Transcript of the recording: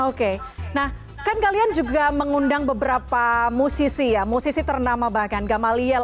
oke nah kan kalian juga mengundang beberapa musisi ya musisi ternama bahkan gamaliel